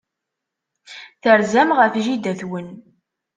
Terzam ɣef jida-twen.